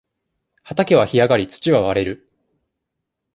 畑は干上がり、土は割れる。